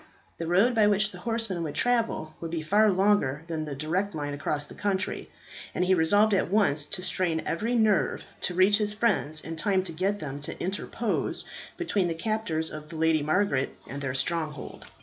The road by which the horsemen would travel would be far longer than the direct line across country, and he resolved at once to strain every nerve to reach his friends in time to get them to interpose between the captors of the Lady Margaret and their stronghold.